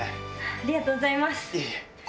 ありがとうございます。